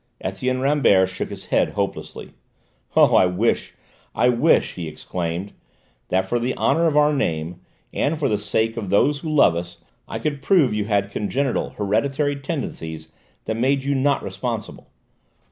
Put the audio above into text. Etienne Rambert shook his head hopelessly. "Oh, I wish, I wish," he exclaimed, "that for the honour of our name, and for the sake of those who love us, I could prove you had congenital, hereditary tendencies that made you not responsible!